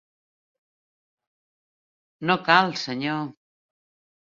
No cal, senyor.